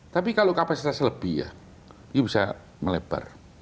tapi kalau kapasitasnya lebih ya you bisa melebar